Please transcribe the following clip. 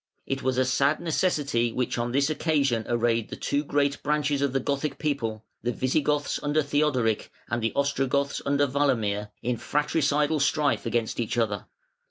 It was a sad necessity which on this one occasion arrayed the two great branches of the Gothic people, the Visigoths under Theodoric, and the Ostrogoths under Walamir, in fratricidal strife against each other.